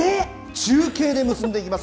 中継で結んでいきます。